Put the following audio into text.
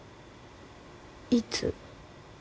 いつ？